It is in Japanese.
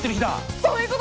そういうこと！